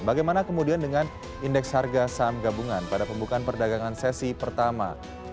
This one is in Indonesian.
bagaimana kemudian dengan indeks harga saham gabungan pada pembukaan perdagangan sesi pertama